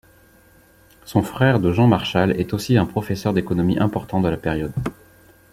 Son frère de Jean Marchal est aussi un professeur d'économie important de la période.